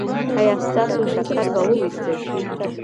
ایا ستاسو شکر به وویستل شي؟